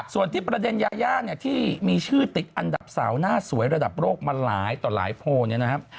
ส่วนที่ประเด็นยาย่าเนี่ยที่มีชื่อติดอันดับสาวหน้าสวยระดับโลกมาหลายต่อหลายโพลเนี่ยนะครับ